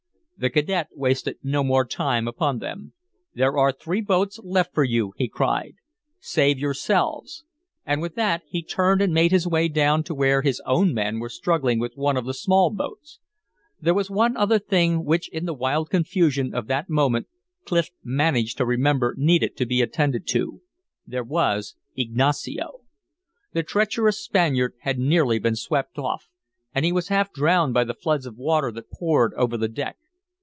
The cadet wasted no more time upon them. "There are three boats left for you," he cried. "Save yourselves." And with that he turned and made his way down to where his own men were struggling with one of the small boats. There was one other thing which in the wild confusion of that moment Clif managed to remember needed to be attended to. There was Ignacio! The treacherous Spaniard had nearly been swept off, and he was half drowned by the floods of water that poured over the deck.